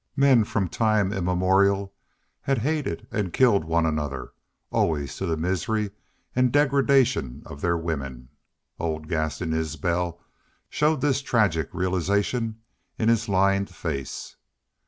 Men from time immemorial had hated, and killed one another, always to the misery and degradation of their women. Old Gaston Isbel showed this tragic realization in his lined face.